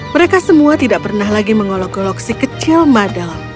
mereka semua tidak pernah lagi mengolok ngolok si kecil madal